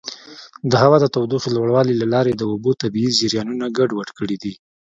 د هوا د تودوخې لوړوالي له لارې د اوبو طبیعي جریانونه ګډوډ کړي دي.